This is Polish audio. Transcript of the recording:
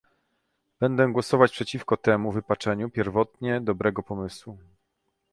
Będę głosować przeciwko temu wypaczeniu pierwotnie dobrego pomysłu